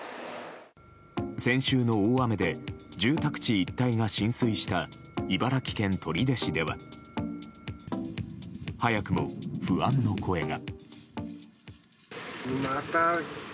先週の大雨で住宅地一帯が浸水した茨城県取手市では早くも不安の声が。